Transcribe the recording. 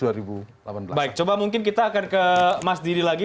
baik coba mungkin kita akan ke mas didi lagi